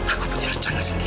aku punya rencana sendiri